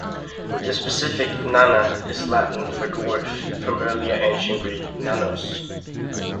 The specific "nana" is Latin for "dwarf", from earlier Ancient Greek "nanos".